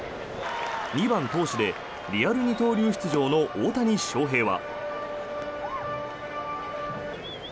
２番投手でリアル二刀流出場の大谷翔平は。